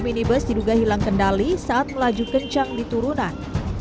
minibus diduga hilang kendali saat melaju kencang di turunan